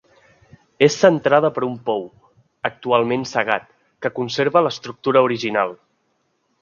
És centrada per un pou, actualment cegat, que conserva l'estructura original.